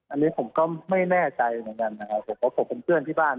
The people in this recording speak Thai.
อันนี้ผมก็ไม่แน่ใจเหมือนกันนะครับผมเพราะผมเป็นเพื่อนที่บ้าน